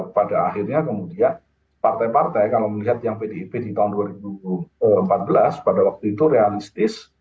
pada akhirnya kemudian partai partai kalau melihat yang pdip di tahun dua ribu empat belas pada waktu itu realistis